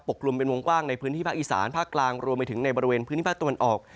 กลุ่มเป็นวงกว้างในพื้นที่ภาคอีสานภาคกลางรวมไปถึงในบริเวณพื้นที่ภาคตะวันออก